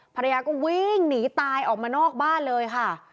ภรรยาก็วิ่งหนีตายออกมานอกบ้านเลยค่ะ